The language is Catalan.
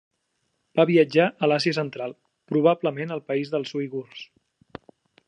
Va viatjar a l'Àsia Central, probablement al país dels uigurs.